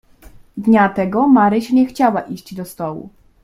"Dnia tego Maryś nie chciała iść do stołu."